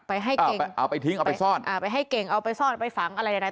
ให้เก่งไปเอาไปทิ้งเอาไปซ่อนอ่าไปให้เก่งเอาไปซ่อนไปฝังอะไรใด